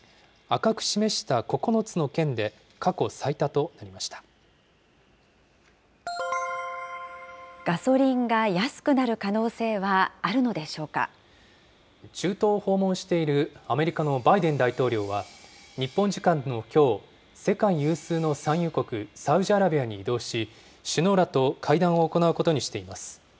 赤く示した９つの県で過去最多とガソリンが安くなる可能性は中東を訪問しているアメリカのバイデン大統領は、日本時間のきょう、世界有数の産油国、サウジアラビアに移動し、首脳らと会談を行うことにしています。